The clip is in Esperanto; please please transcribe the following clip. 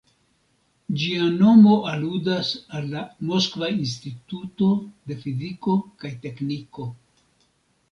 Ĝia nomo aludas al la Moskva Instituto de Fiziko kaj Tekniko.